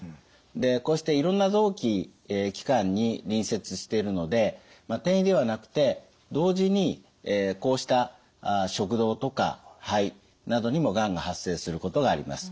でこうしていろんな臓器器官に隣接しているので転移ではなくて同時にこうした食道とか肺などにもがんが発生することがあります。